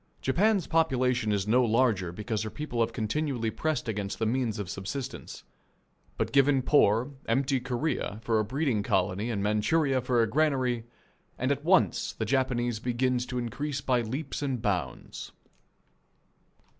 Japan's population is no larger because her people have continually pressed against the means of subsistence. But given poor, empty Korea for a breeding colony and Manchuria for a granary, and at once the Japanese begins to increase by leaps and bounds.